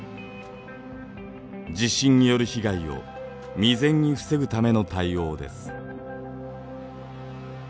地震による被害を未然に防ぐための対応です。